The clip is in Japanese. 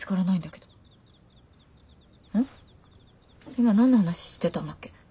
今何の話してたんだっけ。